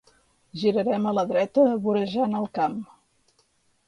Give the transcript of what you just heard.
girarem a la dreta vorejant el camp